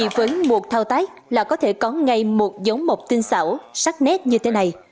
với một thao tác là có thể có ngay một dấu mộc tinh xảo sắc nét như thế này